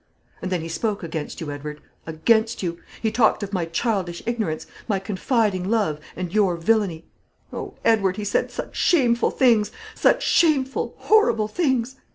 "And then he spoke against you, Edward against you. He talked of my childish ignorance, my confiding love, and your villany. O Edward, he said such shameful things; such shameful, horrible things!